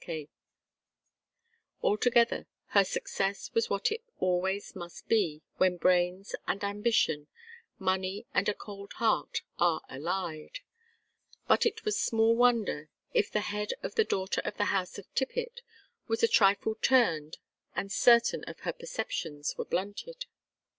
Altogether her success was what it always must be when brains and ambition, money and a cold heart are allied; but it was small wonder if the head of the daughter of the House of Tippett was a trifle turned and certain of her perceptions were blunted.